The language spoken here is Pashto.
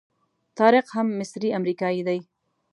طارق هم مصری امریکایي دی.